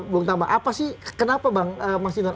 bung tama apa sih kenapa bang mas hinar